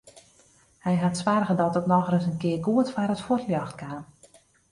Hy hat soarge dat it nochris in kear goed foar it fuotljocht kaam.